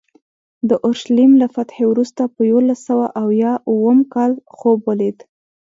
د اورشلیم له فتحې وروسته په یوولس سوه اویا اووم کال خوب ولید.